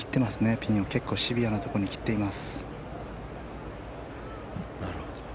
ピンを結構シビアなところに切っています。